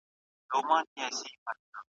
ولي زیارکښ کس د وړ کس په پرتله لاره اسانه کوي؟